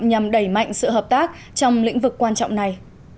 nhằm đẩy mạnh sự hợp tác trong lĩnh vực quan trọng này